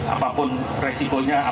apapun resikonya kita bisa mengelak